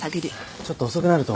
ちょっと遅くなると思う。